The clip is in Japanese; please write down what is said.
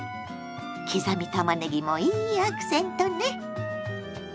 刻みたまねぎもいいアクセントね。